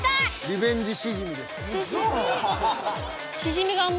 リベンジシジミです。